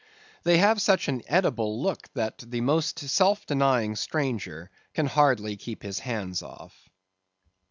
They have such an eatable look that the most self denying stranger can hardly keep his hands off.